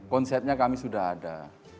konsepnya kami sudah ada